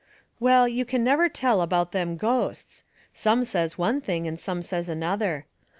Well, you can never tell about them ghosts. Some says one thing and some says another.